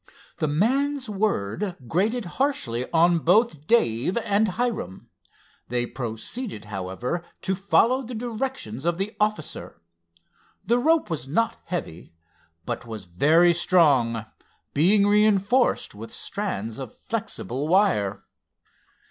The man's word grated harshly on both Dave and Hiram. They proceeded, however, to follow the directions of the officer. The rope was not heavy, but was very strong, being reinforced with strands of flexible wire.